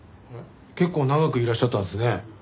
結構長くいらっしゃったんですね。